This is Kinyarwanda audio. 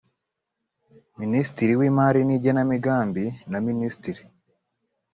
minisitiri w imari n igenamigambi na minisitiri